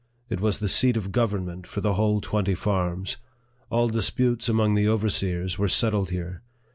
It was the seat of government for the whole twenty farms. All disputes among the overseers were settled here.